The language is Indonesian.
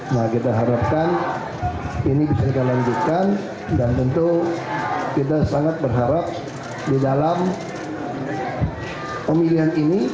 nah kita harapkan ini bisa kita lanjutkan dan tentu kita sangat berharap di dalam pemilihan ini